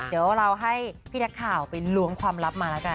เดี๋ยวเราให้พี่นักข่าวไปล้วงความลับมาแล้วกัน